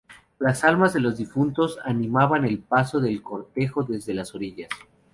Las almas de los difuntos animaban el paso del cortejo desde las orillas.